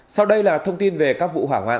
sau đây là thông tin về các vụ hỏa hoạn